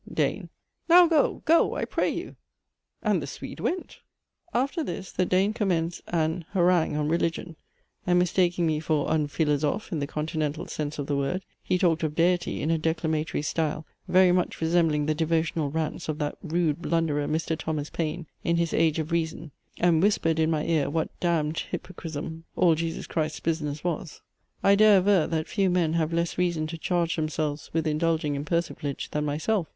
DANE. Now go! Go, I pray you." And the Swede went!! After this the Dane commenced an harangue on religion, and mistaking me for un philosophe in the continental sense of the word, he talked of Deity in a declamatory style, very much resembling the devotional rants of that rude blunderer, Mr. Thomas Paine, in his Age of Reason, and whispered in my ear, what damned hypocrism all Jesus Christ's business was. I dare aver, that few men have less reason to charge themselves with indulging in persiflage than myself.